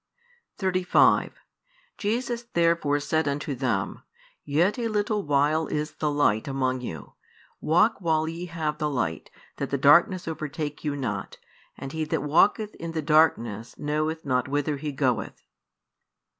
35 Jesus therefore said unto them, Yet a little while is the Light among you. Walk while ye have the Light, that the darkness overtake you not: and he that walketh in the darkness knoweth not whither he goeth.